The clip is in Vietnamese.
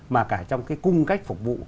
mà cả trong cái cung cách phục vụ